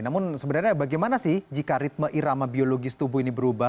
namun sebenarnya bagaimana sih jika ritme irama biologis tubuh ini berubah